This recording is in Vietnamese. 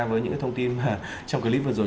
với những thông tin trong clip vừa rồi